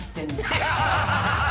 ハハハハ！